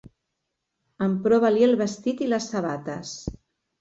Emprova-li el vestit i les sabates.